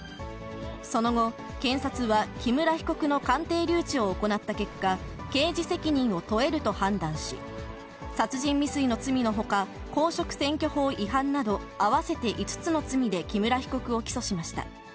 その後、検察は木村被告の鑑定留置を行った結果、刑事責任を問えると判断し、殺人未遂の罪のほか、公職選挙法違反など、合わせて５つの罪で木村被告を起訴しました。